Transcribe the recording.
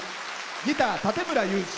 ギター、館村雄二。